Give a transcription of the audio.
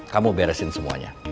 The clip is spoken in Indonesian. kamu beresin semuanya